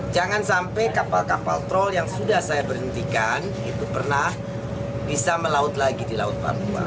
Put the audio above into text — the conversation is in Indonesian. jangan sampai kapal kapal troll yang sudah saya berhentikan itu pernah bisa melaut lagi di laut papua